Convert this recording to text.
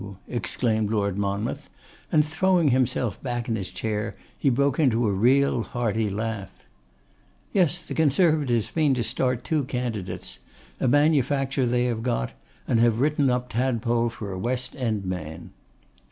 exclaimed Lord Monmouth, and throwing himself back in his chair, he broke into a real, hearty laugh. 'Yes; the Conservatives mean to start two candidates; a manufacturer they have got, and they have written up to Tadpole for a "West end man."